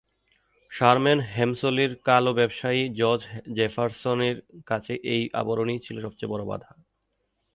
শারম্যান হেমসলির কালো ব্যবসায়ী জর্জ জেফারসনের কাছে এই আবরণই ছিল সবচেয়ে বড় বাধা।